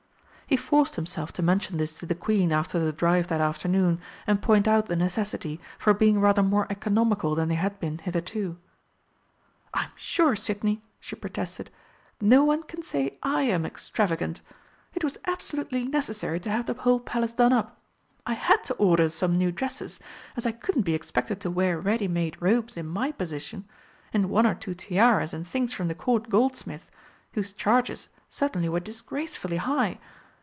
He forced himself to mention this to the Queen after the drive that afternoon, and point out the necessity for being rather more economical than they had been hitherto. "I'm sure, Sidney," she protested, "no one can say I am extravagant! It was absolutely necessary to have the whole Palace done up I had to order some new dresses, as I couldn't be expected to wear ready made robes in my position, and one or two tiaras and things from the Court Goldsmith, whose charges certainly were disgracefully high.